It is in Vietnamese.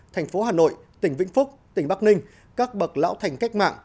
thành phố hà nội tỉnh vĩnh phúc tỉnh bắc ninh các bậc lão thành cách mạng